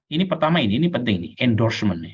ini pertama ini ini penting nih endorsement ya